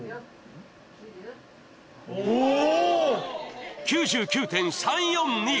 おぉ！９９．３４２